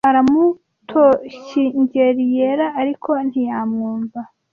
Aramutonkigeliera, ariko ntiyamwumva.